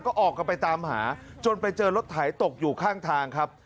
ก็ออกกันไปตามหาจนไปเจอรถไถตกอยู่ข้างทางครับ